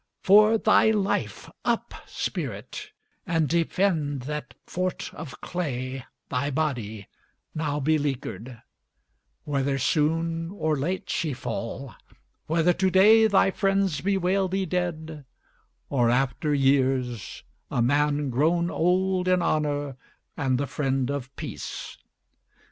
For thy life, Up, spirit, and defend that fort of clay, Thy body, now beleaguered; whether soon Or late she fall; whether to day thy friends Bewail thee dead, or, after years, a man Grown old in honour and the friend of peace.